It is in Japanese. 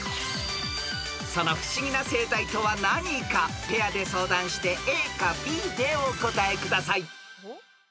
［その不思議な生態とは何かペアで相談してＡかＢでお答えください］